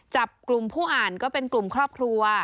จับกลุ่มผู้อ่านก็เป็นกลุ่มครอบครัว